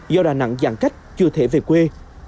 do đà nẵng giãn cách chưa thể về quê